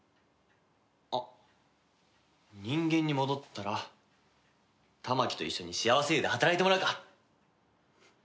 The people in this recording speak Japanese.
あっ人間に戻ったら玉置と一緒にしあわせ湯で働いてもらうか！